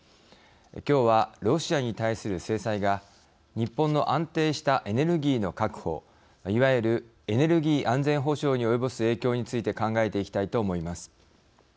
きょうは、ロシアに対する制裁が日本の安定したエネルギーの確保いわゆるエネルギー安全保障に及ぼす影響について考えていきたいと思います。